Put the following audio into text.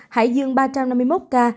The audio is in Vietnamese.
hải dương ba trăm năm mươi một ca